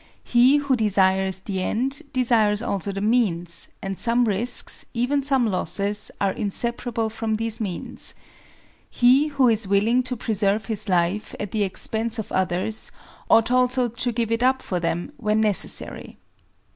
He who desires the end desires also the means, and some risks, even some losses, are insep arable from these means. He who is willing to preserve his life at the expense of others ought also to give it up for them when necessary.